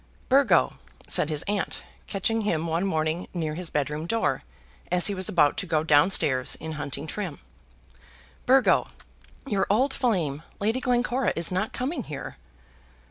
"Burgo," said his aunt, catching him one morning near his bedroom door as he was about to go down stairs in hunting trim, "Burgo, your old flame, Lady Glencora, is not coming here."